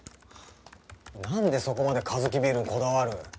なんでそこまでカヅキビールにこだわる？